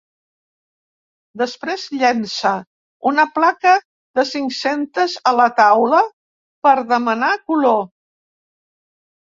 Després llança una placa de cinc-centes a la taula per demanar color.